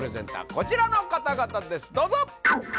こちらの方々ですどうぞ！